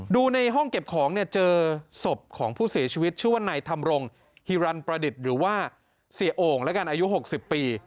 ในห้องเก็บของเนี่ยเจอศพของผู้เสียชีวิตชื่อว่านายธรรมรงฮิรันประดิษฐ์หรือว่าเสียโอ่งแล้วกันอายุ๖๐ปี